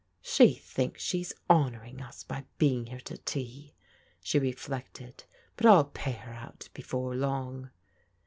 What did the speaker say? " She thinks she's honouring us by being here to tea/' she reflected, " but I'll pay her out before long."